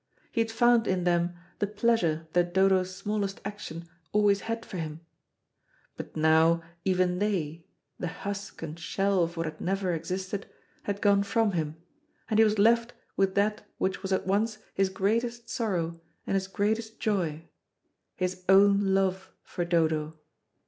He had found in them the pleasure that Dodo's smallest action always had for him; but now even they, the husk and shell of what had never existed, had gone from him, and he was left with that which was at once his greatest sorrow and his greatest joy, his own love for Dodo.